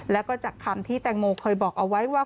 แล้วก็จากคำที่แตงโมเคยบอกเอาไว้ว่า